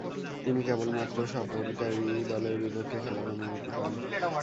তিনি কেবলমাত্র সফরকারী দলের বিপক্ষে খেলার অনুমতি পান।